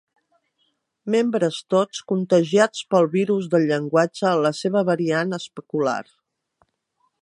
Membres tots contagiats pel virus del llenguatge en la seva variant especular.